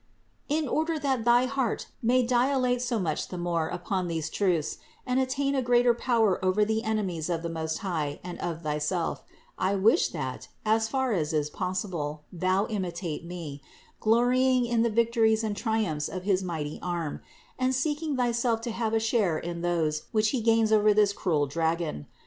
652. In order that thy heart may dilate so much the more upon these truths and attain a greater power over the enemies of the Most High and of thyself, I wish that, as far as is possible, thou imitate me, glorying in the victories and triumphs of his mighty arm and seeking thyself to have a share in those which he gains over this cruel dragon.